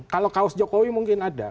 kalau kaos jokowi mungkin ada